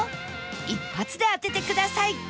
一発で当ててください